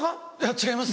違います。